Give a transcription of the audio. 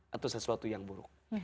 atau sesuatu yang buruk